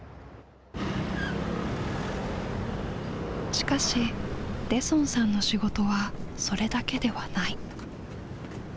しかしデソンさんの仕事はそれだけではない。